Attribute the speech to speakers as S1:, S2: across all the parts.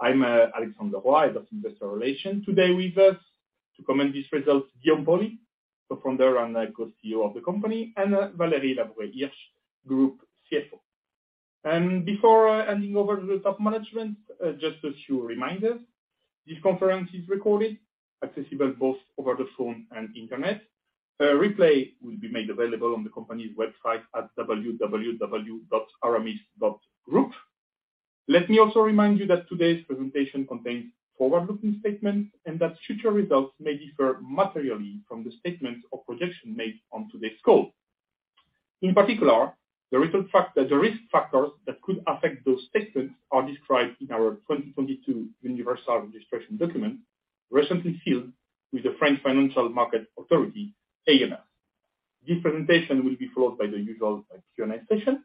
S1: I'm Alexandre Leroy. I'm Investor Relation. Today with us to comment these results, Guillaume Paoli, co-founder and co-CEO of the company, and Fabien Geerolf, Group CFO. Before handing over to the top management, just a few reminders. This conference is recorded, accessible both over the phone and internet. A replay will be made available on the company's website at www.aramis.group. Let me also remind you that today's presentation contains forward-looking statements, and that future results may differ materially from the statements or projections made on today's call. In particular, the risk factors that could affect those statements are described in our 2022 universal registration document, recently filed with the French Financial Markets Authority, AMF. This presentation will be followed by the usual Q&A session.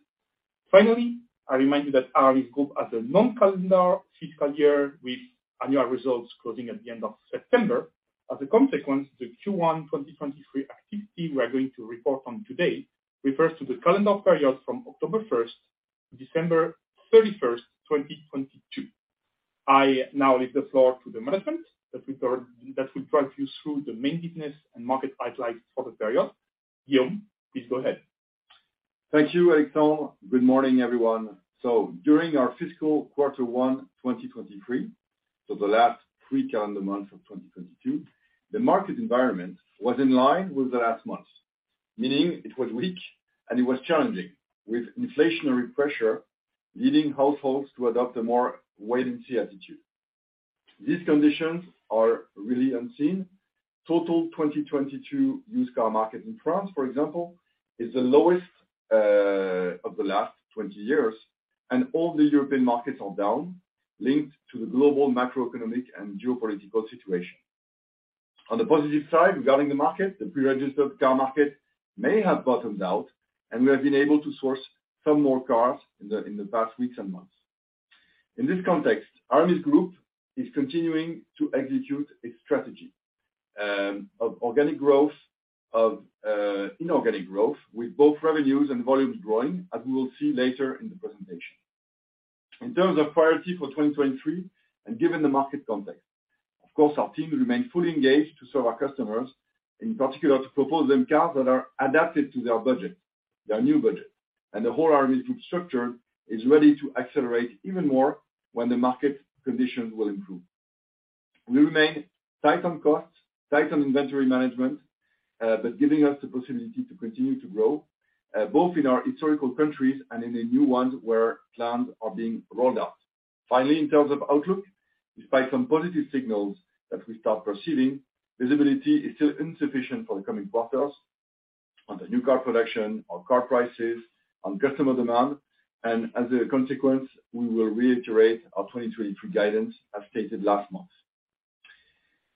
S1: Finally, I remind you that Aramis Group has a non-calendar fiscal year with annual results closing at the end of September. As a consequence, the Q1 2023 activity we are going to report on today refers to the calendar period from October 1st to December 31st, 2022. I now leave the floor to the management that will drive you through the main business and market highlights for the period. Guillaume, please go ahead.
S2: Thank you, Alexandre. Good morning, everyone. During our fiscal quarter one, 2023, so the last three calendar months of 2022, the market environment was in line with the last months, meaning it was weak, and it was challenging, with inflationary pressure leading households to adopt a more wait-and-see attitude. These conditions are really unseen. Total 2022 used car market in France, for example, is the lowest of the last 20 years, and all the European markets are down, linked to the global macroeconomic and geopolitical situation. On the positive side, regarding the market, the pre-registered car market may have bottomed out, and we have been able to source some more cars in the, in the past weeks and months. In this context, Aramis Group is continuing to execute its strategy, of organic growth, of inorganic growth, with both revenues and volumes growing, as we will see later in the presentation. In terms of priority for 2023, given the market context, of course, our team remain fully engaged to serve our customers, in particular, to propose them cars that are adapted to their budget, their new budget, and the whole Aramis Group structure is ready to accelerate even more when the market conditions will improve. We remain tight on costs, tight on inventory management, but giving us the possibility to continue to grow, both in our historical countries and in the new ones where plans are being rolled out. In terms of outlook, despite some positive signals that we start perceiving, visibility is still insufficient for the coming quarters on the new car production, on car prices, on customer demand, and as a consequence, we will reiterate our 2023 guidance as stated last month.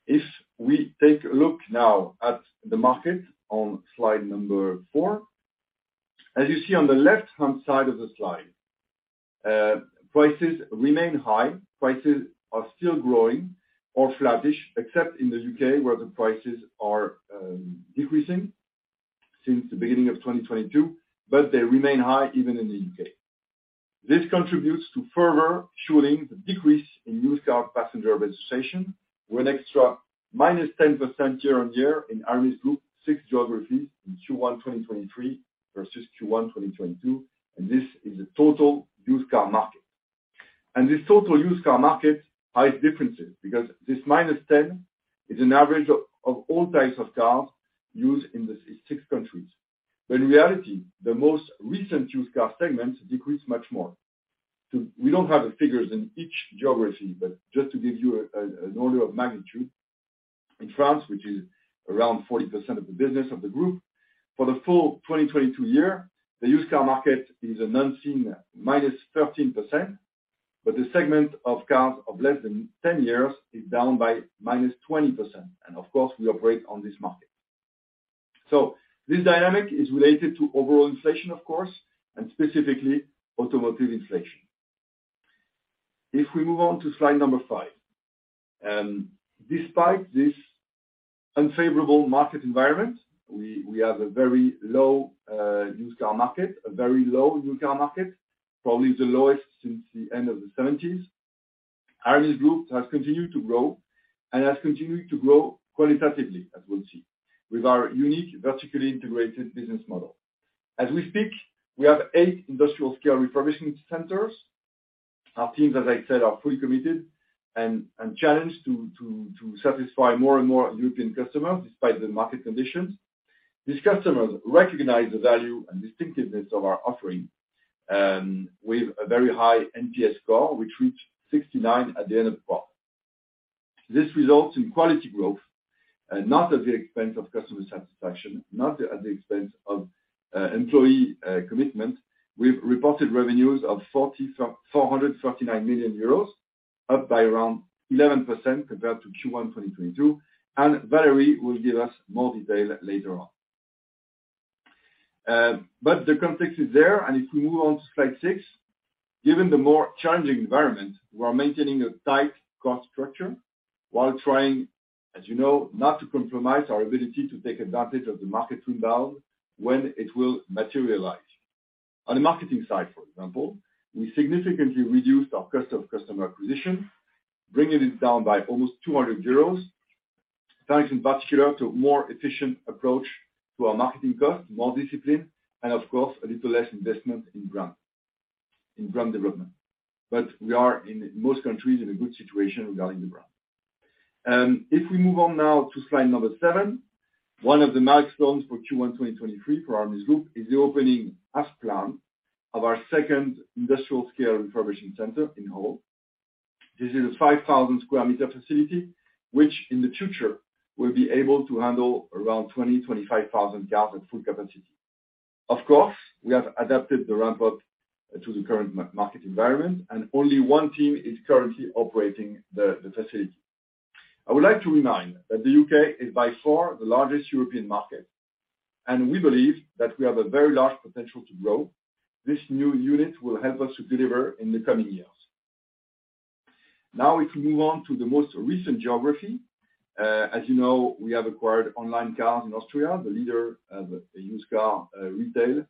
S2: If we take a look now at the market on slide four, as you see on the left-hand side of the slide, prices remain high. Prices are still growing or flattish, except in the U.K., where the prices are decreasing since the beginning of 2022, but they remain high even in the U.K. This contributes to further fueling the decrease in used car passenger registration with extra -10% year-on-year in Aramis Group six geographies in Q1 2023 versus Q1 2022. This is the total used car market. This total used car market hide differences because this -10% is an average of all types of cars used in the six countries. In reality, the most recent used car segments decreased much more. We don't have the figures in each geography, but just to give you an order of magnitude, in France, which is around 40% of the business of the group, for the full 2022 year, the used car market is an unseen -13%, but the segment of cars of less than 10 years is down by -20%. Of course, we operate on this market. This dynamic is related to overall inflation, of course, and specifically automotive inflation. If we move on to slide number five, despite this unfavorable market environment, we have a very low used car market, a very low new car market, probably the lowest since the end of the 70s. Aramis Group has continued to grow and has continued to grow qualitatively, as we'll see, with our unique vertically integrated business model. As we speak, we have eight industrial-scale refurbishing centers. Our teams, as I said, are fully committed and challenged to satisfy more and more European customers despite the market conditions. These customers recognize the value and distinctiveness of our offering, with a very high NPS score, which reached 69 at the end of the quarter. This results in quality growth, not at the expense of customer satisfaction, not at the expense of employee commitment. We've reported revenues of 449 million euros, up by around 11% compared to Q1 2022. Valérie will give us more detail later on. The context is there. If we move on to slide six, given the more challenging environment, we are maintaining a tight cost structure while trying, as you know, not to compromise our ability to take advantage of the market rebound when it will materialize. On the marketing side, for example, we significantly reduced our cost of customer acquisition, bringing it down by almost 200 euros, thanks in particular to a more efficient approach to our marketing costs, more discipline, and of course, a little less investment in brand development. We are in most countries in a good situation regarding the brand. If we move on now to slide number seven, one of the milestones for Q1 2023 for Aramis Group is the opening, as planned, of our second industrial-scale refurbishment center in Hull. This is a 5,000 square meter facility, which in the future will be able to handle around 20,000-25,000 cars at full capacity. Of course, we have adapted the ramp-up to the current market environment, and only one team is currently operating the facility. I would like to remind that the U.K. is by far the largest European market, and we believe that we have a very large potential to grow. This new unit will help us to deliver in the coming years. If we move on to the most recent geography, as you know, we have acquired Onlinecars in Austria, the leader of the used car retail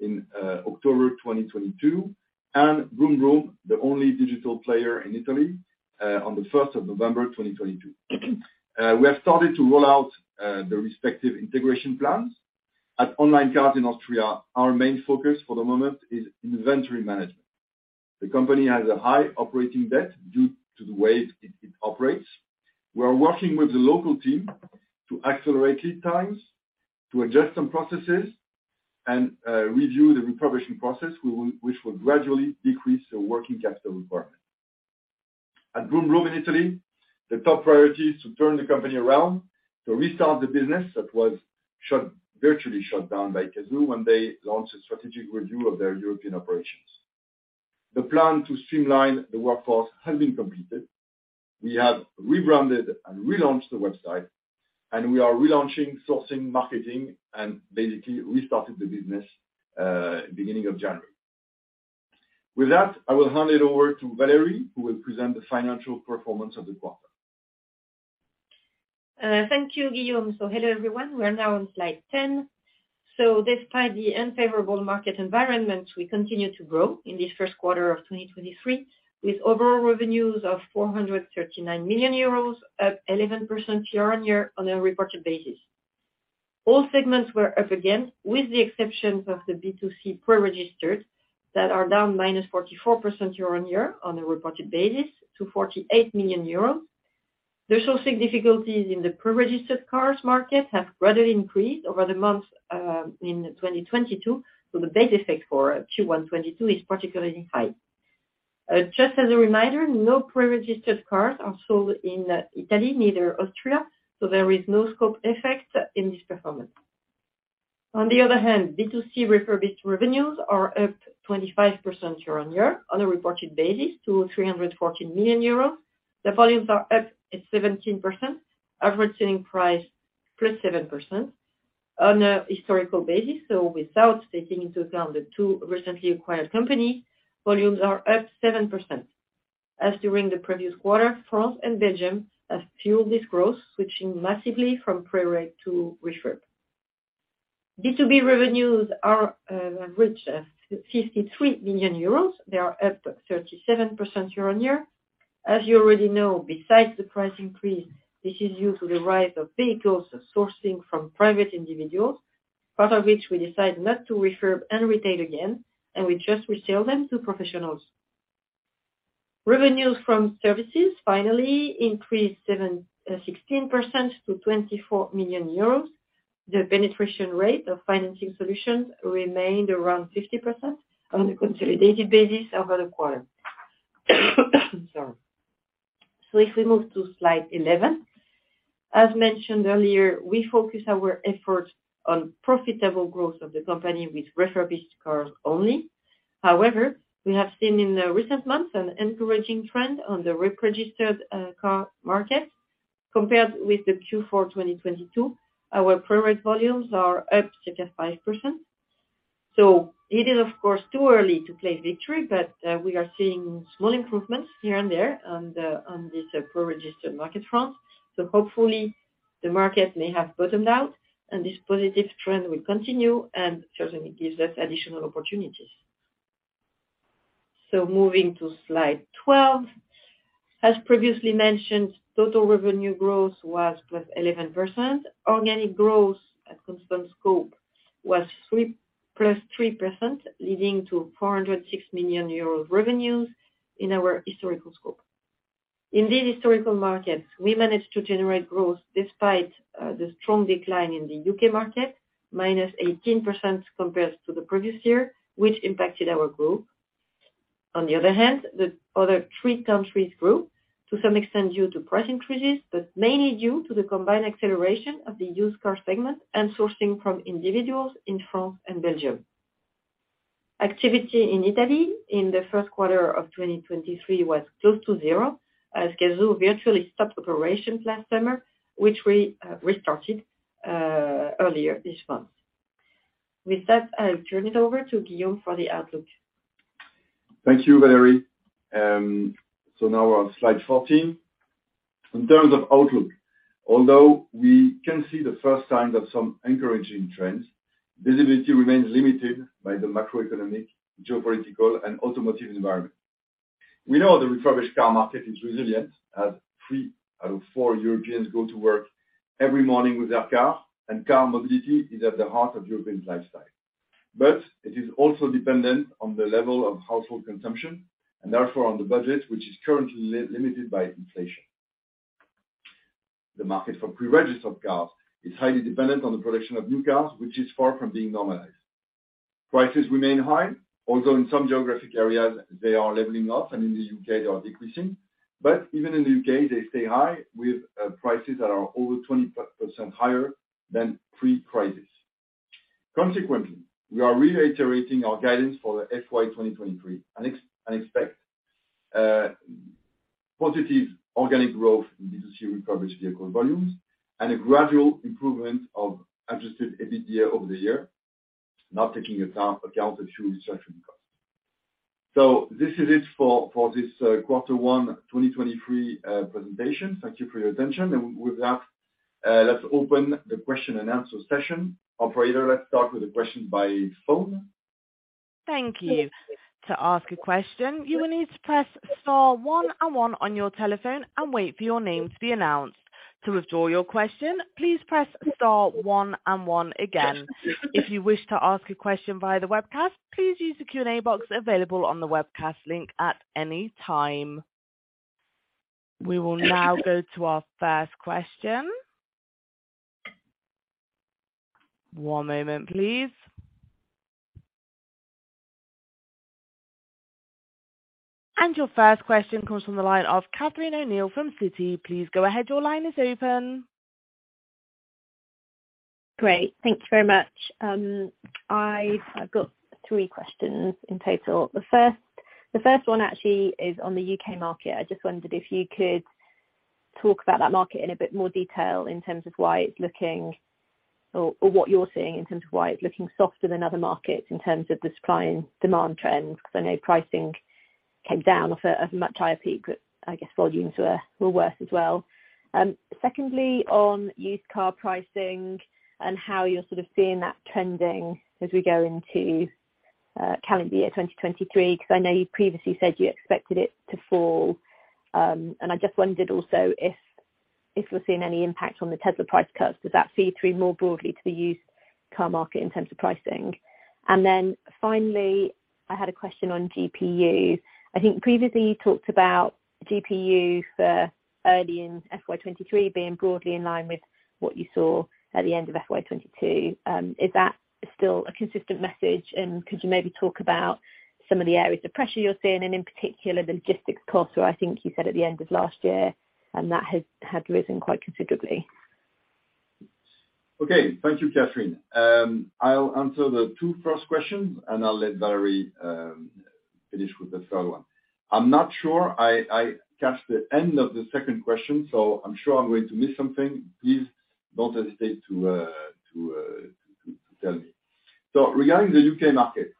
S2: in October 2022, and Brumbrum, the only digital player in Italy, on the first of November 2022. We have started to roll out the respective integration plans. At Onlinecars in Austria, our main focus for the moment is inventory management. The company has a high operating debt due to the way it operates. We are working with the local team to accelerate lead times, to adjust some processes, and review the refurbishing process, which will gradually decrease their working capital requirement. At Brumbrum in Italy, the top priority is to turn the company around, to restart the business that was shut, virtually shut down by Cazoo when they launched a strategic review of their European operations. The plan to streamline the workforce has been completed. We have rebranded and relaunched the website, and we are relaunching sourcing, marketing, and basically restarted the business, beginning of January. With that, I will hand it over to Fabien Geerolf, who will present the financial performance of the quarter.
S3: Thank you, Guillaume Paoli. Hello, everyone. We are now on slide 10. Despite the unfavorable market environment, we continued to grow in this first quarter of 2023 with overall revenues of 439 million euros, up 11% year-on-year on a reported basis. All segments were up again, with the exception of the B2C pre-registered that are down -44% year-on-year on a reported basis to 48 million euros. The sourcing difficulties in the pre-registered cars market have gradually increased over the months in 2022, so the base effect for Q1 2022 is particularly high. Just as a reminder, no pre-registered cars are sold in Italy, neither Austria, so there is no scope effect in this performance. On the other hand, B2C refurbished revenues are up 25% year-on-year on a reported basis to 340 million euro. The volumes are up at 17%, average selling price +7%. On a historical basis, without taking into account the two recently acquired companies, volumes are up 7%. As during the previous quarter, France and Belgium have fueled this growth, switching massively from pre-reg to refurb. B2B revenues reached 53 million euros. They are up 37% year-on-year. As you already know, besides the price increase, this is due to the rise of vehicles sourcing from private individuals, part of which we decide not to refurb and retain again, and we just resell them to professionals. Revenues from services finally increased 16% to 24 million euros. The penetration rate of financing solutions remained around 50% on a consolidated basis over the quarter. Sorry. If we move to slide 11. As mentioned earlier, we focus our efforts on profitable growth of the company with refurbished cars only. However, we have seen in the recent months an encouraging trend on the pre-registered car market. Compared with the Q4 2022, our pre-reg volumes are up 35%. It is, of course, too early to claim victory, but we are seeing small improvements here and there on the, on this pre-registered market front. Hopefully the market may have bottomed out, and this positive trend will continue, and certainly give us additional opportunities. Moving to slide 12. As previously mentioned, total revenue growth was +11%. Organic growth at constant scope was 3, +3%, leading to 406 million euros revenues in our historical scope. In these historical markets, we managed to generate growth despite the strong decline in the U.K. market, minus 18% compared to the previous year, which impacted our group. On the other hand, the other three countries grew to some extent due to price increases, but mainly due to the combined acceleration of the used car segment and sourcing from individuals in France and Belgium. Activity in Italy in the first quarter of 2023 was close to zero as Cazoo virtually stopped operations last summer, which we restarted earlier this month. With that, I'll turn it over to Guillaume for the outlook.
S2: Thank you, Fabien Geerolf. Now we're on slide 14. In terms of outlook, although we can see the first signs of some encouraging trends, visibility remains limited by the macroeconomic, geopolitical, and automotive environment. We know the refurbished car market is resilient, as three out of four Europeans go to work every morning with their car, and car mobility is at the heart of Europeans' lifestyle. It is also dependent on the level of household consumption, and therefore on the budget, which is currently limited by inflation. The market for pre-registered cars is highly dependent on the production of new cars, which is far from being normalized. Prices remain high, although in some geographic areas they are leveling off, and in the U.K. they are decreasing. Even in the U.K., they stay high, with prices that are over 20% higher than pre-crisis. Consequently, we are reiterating our guidance for the FY 2023 and expect positive organic growth in B2C recovered vehicle volumes and a gradual improvement of Adjusted EBITDA over the year, not taking account the fuel surcharging cost. This is it for this Q1 2023 presentation. Thank you for your attention. With that, let's open the question and answer session. Operator, let's start with the question by phone.
S4: Thank you. To ask a question, you will need to press star one and one on your telephone and wait for your name to be announced. To withdraw your question, please press star one and one again. If you wish to ask a question via the webcast, please use the Q&A box available on the webcast link at any time. We will now go to our first question. One moment, please. Your first question comes from the line of Catherine O'Neill from Citi. Please go ahead. Your line is open.
S5: Great. Thank you very much. I have got three questions in total. The first one actually is on the U.K. market. I just wondered if you could talk about that market in a bit more detail in terms of why it's looking... or, what you're seeing in terms of why it's looking softer than other markets in terms of the supply and demand trends. Cause I know pricing came down off a much higher peak, but I guess volumes were worse as well. Secondly, on used car pricing and how you're sort of seeing that trending as we go into calendar year 2023, cause I know you previously said you expected it to fall. And I just wondered also if you're seeing any impact on the Tesla price cuts. Does that feed through more broadly to the used car market in terms of pricing? Then finally, I had a question on GPU. I think previously you talked about GPU for early in FY 2023 being broadly in line with what you saw at the end of FY 2022. Is that still a consistent message? Could you maybe talk about some of the areas of pressure you're seeing, and in particular the logistics costs, where I think you said at the end of last year, and that had risen quite considerably.
S2: Okay. Thank you, Catherine. I'll answer the two first questions, and I'll let Fabien Geerolf finish with the third one. I'm not sure I caught the end of the second question, I'm sure I'm going to miss something. Please don't hesitate to tell me. Regarding the U.K. market,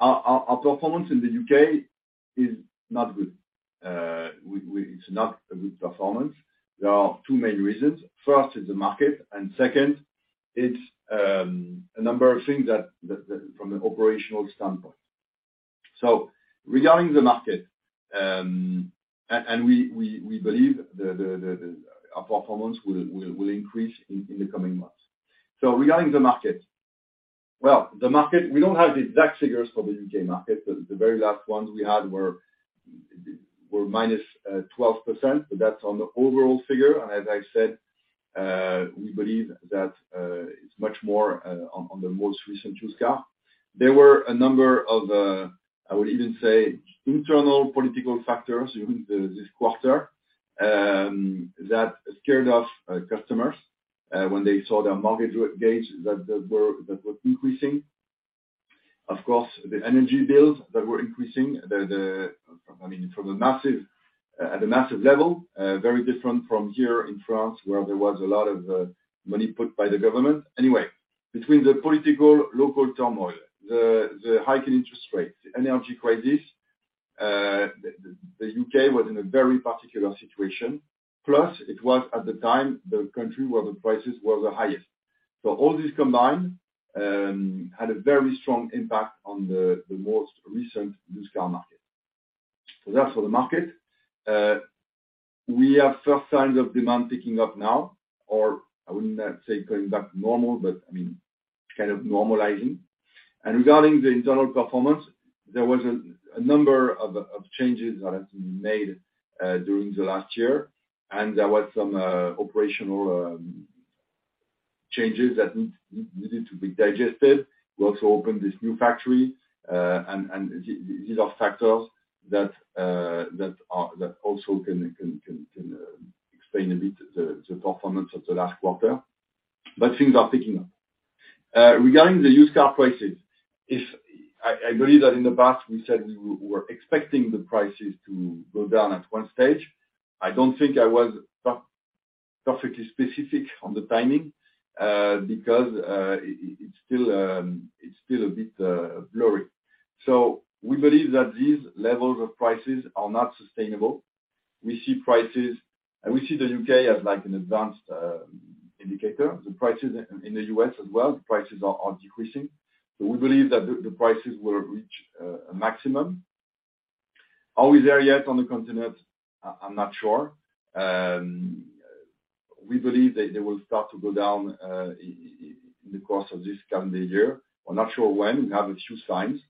S2: our performance in the U.K. is not good. It's not a good performance. There are two main reasons. First is the market, and second, it's a number of things from an operational standpoint. Regarding the market, and we believe our performance will increase in the coming months. Regarding the market. Well, the market, we don't have the exact figures for the U.K. market. The very last ones we had were -12%, but that's on the overall figure. As I said, we believe that it's much more on the most recent used car. There were a number of, I would even say internal political factors during this quarter that scared off customers when they saw their mortgage that were increasing. Of course, the energy bills that were increasing. I mean, from a massive, at a massive level, very different from here in France, where there was a lot of money put by the government. Anyway, between the political local turmoil, the hike in interest rates, the energy crisis, the U.K. was in a very particular situation. Plus, it was, at the time, the country where the prices were the highest. All this combined had a very strong impact on the most recent used car market. That's for the market. We have first signs of demand picking up now, or I would not say going back to normal, but I mean, kind of normalizing. Regarding the internal performance, there was a number of changes that have been made during the last year, and there was some operational changes that needed to be digested. We also opened this new factory, and these are factors that are that also can explain a bit the performance of the last quarter. Things are picking up. Regarding the used car prices, if... I believe that in the past we said we were expecting the prices to go down at one stage. I don't think I was. Perfectly specific on the timing, because it's still a bit blurry. We believe that these levels of prices are not sustainable. We see the U.K. as like an advanced indicator. The prices in the U.S. as well, the prices are decreasing, we believe that the prices will reach a maximum. Are we there yet on the continent? I'm not sure. We believe that they will start to go down in the course of this calendar year. We're not sure when. We have a few signs,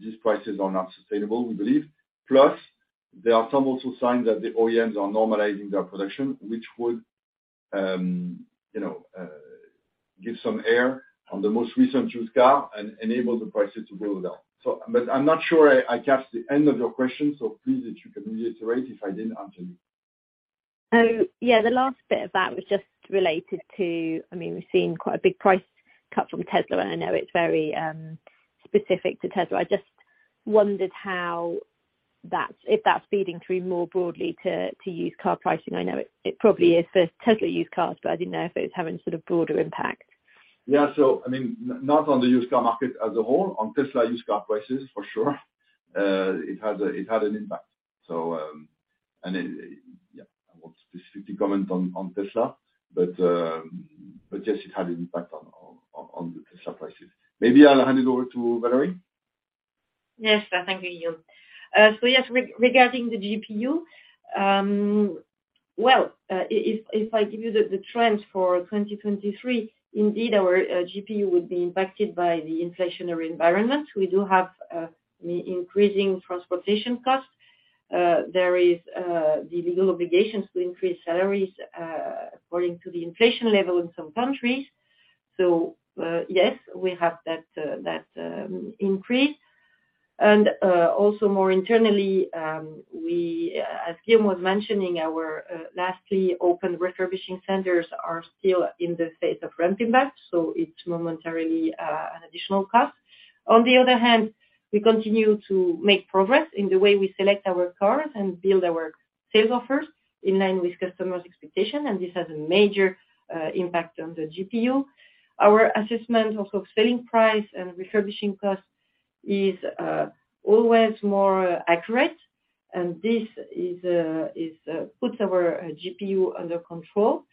S2: these prices are not sustainable, we believe. Plus, there are some also signs that the OEMs are normalizing their production, which would, you know, give some air on the most recent used car and enable the prices to go down. I'm not sure I caught the end of your question, so please, if you can reiterate if I didn't answer you.
S5: Yeah, the last bit of that was just related to, we've seen quite a big price cut from Tesla. I know it's very specific to Tesla. I just wondered if that's feeding through more broadly to used car pricing. I know it probably is for Tesla used cars, but I didn't know if it was having sort of broader impact.
S2: I mean, not on the used car market as a whole. On Tesla used car prices, for sure, it had an impact. I won't specifically comment on Tesla, but yes, it had an impact on the Tesla prices. Maybe I'll hand it over to Fabien Geerolf,.
S3: Yes. Thank you, Guillaume. Yes, regarding the GPU, well, if I give you the trends for 2023, indeed our GPU would be impacted by the inflationary environment. We do have increasing transportation costs. There is the legal obligations to increase salaries according to the inflation level in some countries. Yes, we have that increase. Also more internally, we, as Guillaume was mentioning, our lastly open refurbishing centers are still in the phase of ramping back, so it's momentarily an additional cost. On the other hand, we continue to make progress in the way we select our cars and build our sales offers in line with customers' expectation, and this has a major impact on the GPU. Our assessment of selling price and refurbishing costs is always more accurate and this is puts our GPU under control.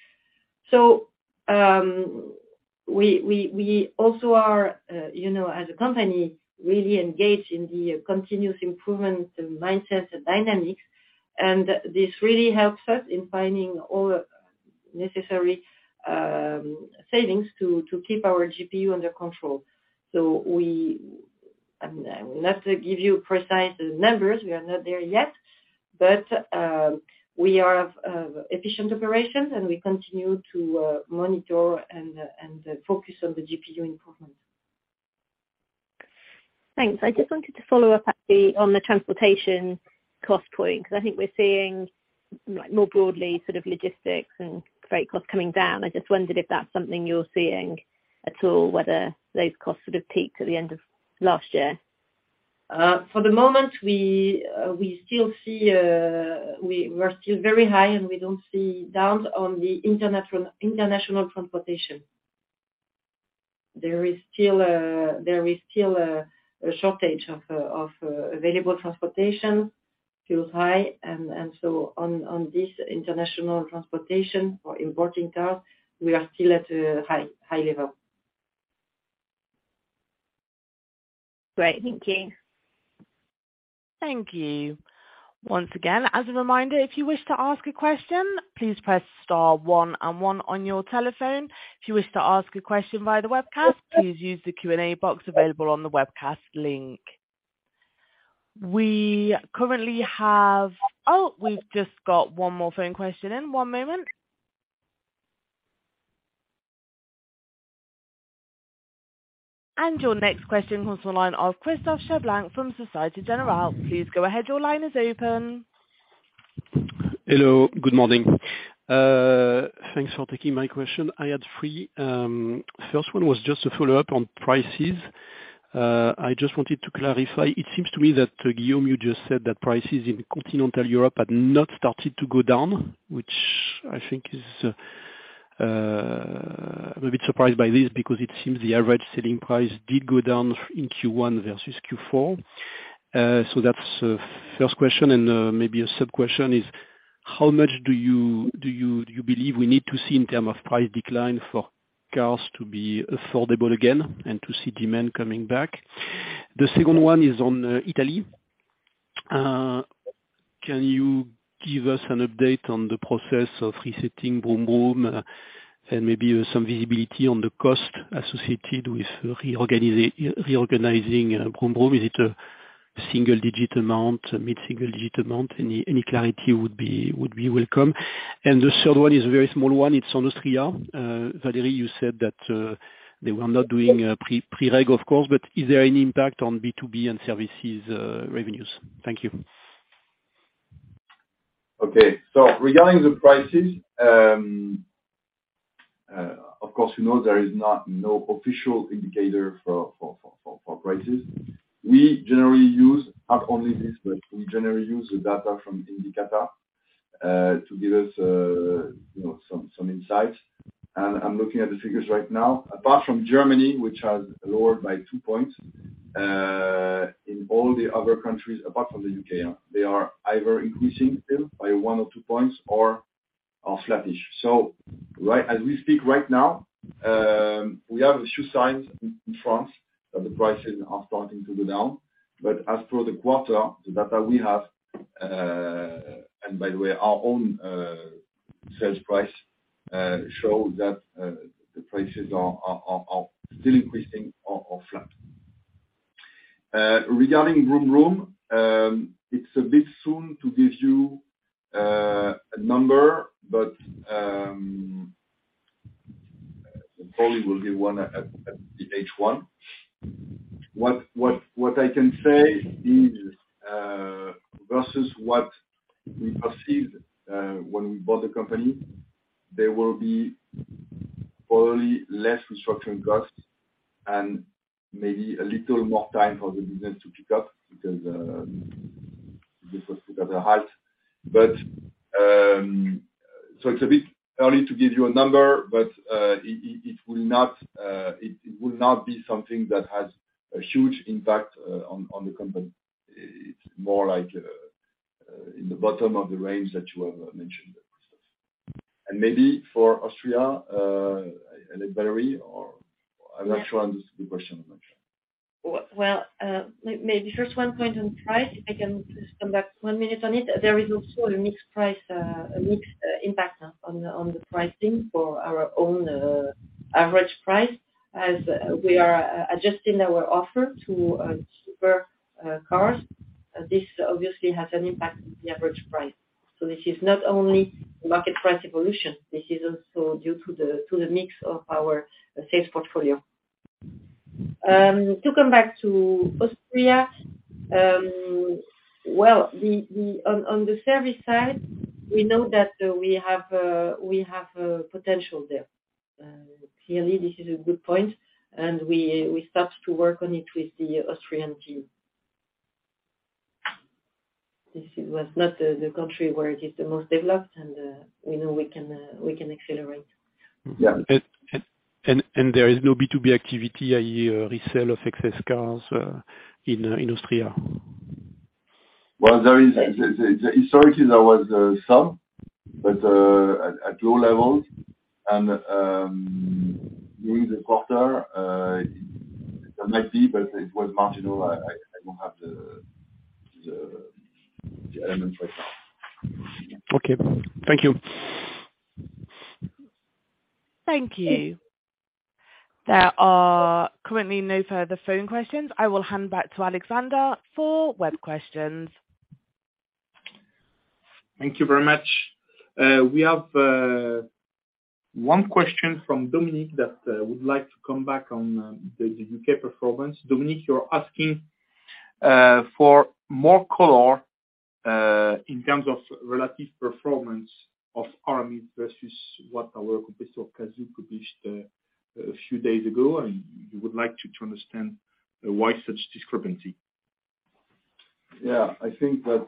S3: We also are, you know, as a company, really engaged in the continuous improvement mindset and dynamics, and this really helps us in finding all necessary savings to keep our GPU under control. We I will not give you precise numbers, we are not there yet, but we are of efficient operations, and we continue to monitor and focus on the GPU improvements.
S5: Thanks. I just wanted to follow up actually on the transportation cost point, 'cause I think we're seeing more broadly sort of logistics and freight costs coming down. I just wondered if that's something you're seeing at all, whether those costs would have peaked at the end of last year?
S3: still see, we're still very high, and we don't see down on the international transportation. There is still a shortage of available transportation, still high, and so on this international transportation for importing cars, we are still at a high level
S5: Great. Thank you.
S4: Thank you. Once again, as a reminder, if you wish to ask a question, please press star one and one on your telephone. If you wish to ask a question via the webcast, please use the Q&A box available on the webcast link. We currently have... Oh, we've just got one more phone question in. One moment. Your next question comes from the line of Christophe Cherblanc from Société Générale. Please go ahead. Your line is open.
S6: Hello, good morning. Thanks for taking my question. I had three. First one was just a follow-up on prices. I just wanted to clarify. It seems to me that, Guillaume, you just said that prices in continental Europe had not started to go down, which I think is, I'm a bit surprised by this because it seems the average selling price did go down in Q1 versus Q4. So that's first question. Maybe a sub-question is how much do you believe we need to see in term of price decline for cars to be affordable again and to see demand coming back? The second one is on Italy. Can you give us an update on the process of resetting Brumbrum, and maybe some visibility on the cost associated with reorganizing Brumbrum? Is it a single digit amount, a mid-single digit amount? Any clarity would be welcome. The third one is a very small one. It's on Austria. Fabien, you said that they were not doing pre-reg, of course, but is there any impact on B2B and services revenues? Thank you.
S2: Okay. Regarding the prices. Of course, you know, there is no official indicator for prices. We generally use not only this, but we generally use the data from Indicata to give us, you know, some insights. I'm looking at the figures right now. Apart from Germany, which has lowered by two points, in all the other countries, apart from the U.K., yeah, they are either increasing still by one or two points or flattish. Right as we speak right now, we have a few signs in France that the prices are starting to go down. As for the quarter, the data we have, and by the way, our own sales price show that the prices are still increasing or flat. Regarding one room, it's a bit soon to give you a number, but probably we will give one at a later point. What I can say is, versus what we perceived from other companies, there will be probably less talking cost and maybe a little more time for the data pickup because the situation is not hard. But it's a bit early to give you a number, but it will not be something that has a huge impact on the company, more like in the bottom of the range that you have mentioned. And maybe for Austria, I like to answer the question much
S3: Well, well, maybe first one point on price, if I can just come back one minute on it. There is also a mixed price, a mixed impact on the pricing for our own average price as we are adjusting our offer to super cars. This obviously has an impact on the average price. This is not only market price evolution, this is also due to the mix of our sales portfolio. To come back to Austria, well, on the service side, we know that we have potential there. Clearly this is a good point, and we start to work on it with the Austrian team. This was not the country where it is the most developed and, you know, we can accelerate.
S2: Yeah.
S6: There is no B2B activity, i.e., resale of excess cars, in Austria?
S2: Well, there is historically there was some, but at low levels and during the quarter, it might be, but it was marginal. I don't have the elements right now.
S6: Okay. Thank you.
S4: Thank you. There are currently no further phone questions. I will hand back to Alexandre for web questions.
S1: Thank you very much. We have one question from Dominic that would like to come back on the U.K. performance. Dominic, you're asking for more color in terms of relative performance of Aramis versus what our competitor Cazoo published a few days ago. You would like to understand why such discrepancy.
S2: Yeah. I think that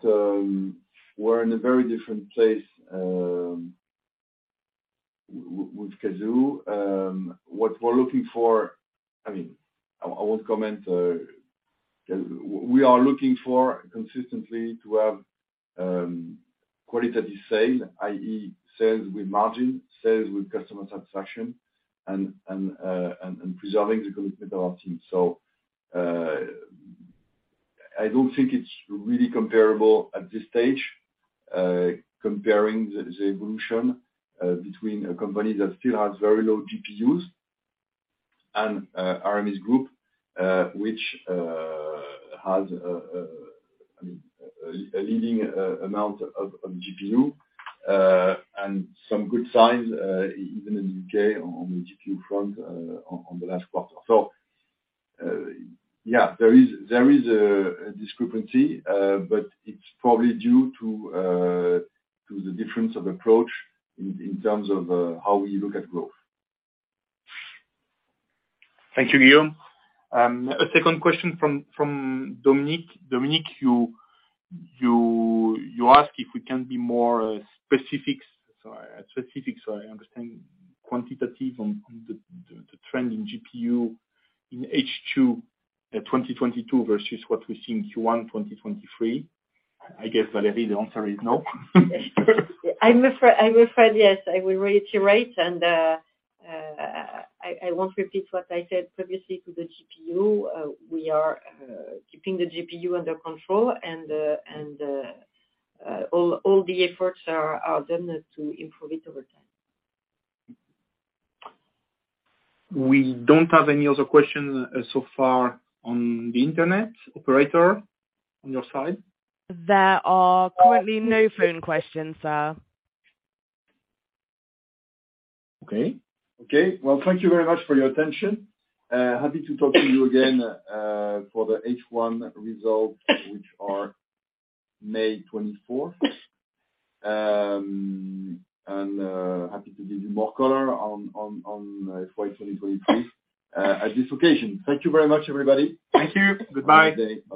S2: we're in a very different place with Cazoo. What we're looking for, I mean, I won't comment, we are looking for consistently to have qualitative sale, i.e. sales with margin, sales with customer satisfaction and preserving the commitment of our team. I don't think it's really comparable at this stage, comparing the evolution between a company that still has very low GPUs and Aramis Group, which has, I mean, a leading amount of GPU, and some good signs even in the U.K. on the GPU front on the last quarter. Yeah, there is a discrepancy, but it's probably due to the difference of approach in terms of how we look at growth.
S1: Thank you, Guillaume. A second question from Dominic. Dominic, you ask if we can be more specifics. Sorry, specifics, so I understand quantitative on the trend in GPU in H2 2022 versus what we see in Q1 2023. I guess, Fabien Geerolf, the answer is no.
S3: I'm afraid, yes. I will reiterate and I won't repeat what I said previously to the GPU. We are keeping the GPU under control and all the efforts are done to improve it over time.
S1: We don't have any other questions so far on the internet. Operator, on your side?
S4: There are currently no phone questions, sir.
S2: Okay. Okay. Well, thank you very much for your attention. Happy to talk to you again for the H1 results, which are May 24th. Happy to give you more color on FY 2023 at this occasion. Thank you very much, everybody.
S1: Thank you. Goodbye.
S2: Have a good day.